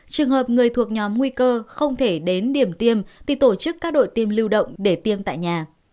trường hợp người thuộc nhóm nguy cơ không thể đến điểm tiêm thì tổ chức các đội tiêm lưu động để tiêm tại nhà